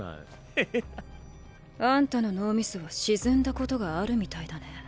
ヘヘッ。あんたの脳みそは沈んだことがあるみたいだね。